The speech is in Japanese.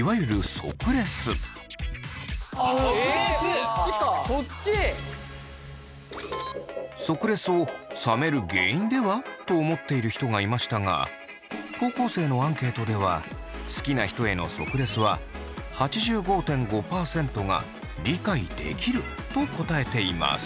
即レスを冷める原因では？と思っている人がいましたが高校生のアンケートでは好きな人への即レスは８５．５％が理解できると答えています。